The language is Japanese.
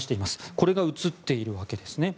これが写っているわけですね。